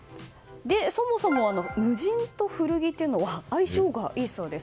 そもそも無人と古着というのは相性がいいそうです。